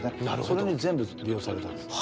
それに全部利用されたんです。